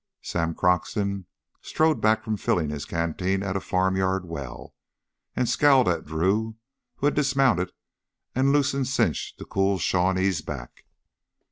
Sam Croxton strode back from filling his canteen at a farmyard well and scowled at Drew, who had dismounted and loosened cinch to cool Shawnee's back.